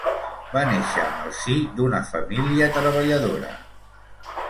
Va néixer en el si d'una família treballadora.